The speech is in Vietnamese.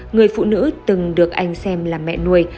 người phụ nữ từng được anh xem là mẹ nuôi